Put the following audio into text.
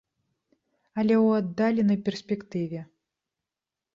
Але ў аддаленай перспектыве.